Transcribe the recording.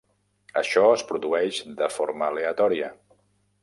Això es produeix de forma aleatòria.